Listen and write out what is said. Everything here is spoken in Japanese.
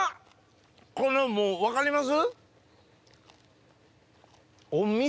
このもう分かります？